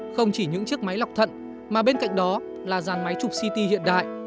không chỉ những chiếc máy lọc thận mà bên cạnh đó là dàn máy chụp ct hiện đại